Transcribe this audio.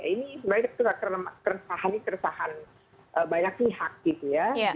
ini sebenarnya keresahan keresahan banyak pihak gitu ya